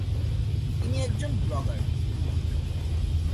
তিনি একজন ব্লগার।